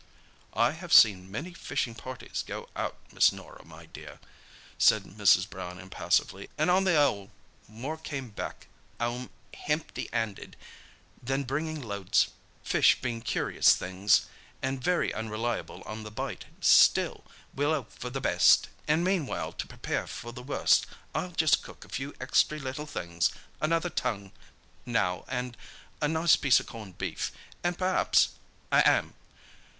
"I have seen many fishing parties go out, Miss Norah, my dear," said Mrs. Brown impassively, "and on the 'ole more came 'ome hempty 'anded than bringing loads—fish bein' curious things, an' very unreliable on the bite. Still, we'll 'ope for the best—an' meanwhile to prepare for the worst. I'll just cook a few extry little things—another tongue, now, an' a nice piece of corned beef, an' per'aps a 'am.